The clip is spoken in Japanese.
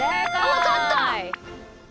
わかった！